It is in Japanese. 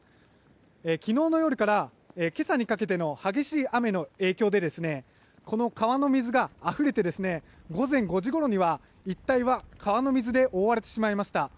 昨日の夜から今朝にかけての激しい雨の影響でこの川の水があふれて午前５時ごろには一帯は川の水で覆われてしまいました。